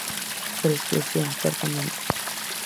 Por exclusión, certamente.